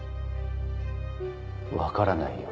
分からないよ